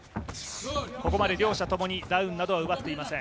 ここまで両者ともにダウンなどは奪っていません。